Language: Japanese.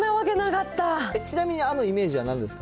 ちなみにあのイメージはなんですか？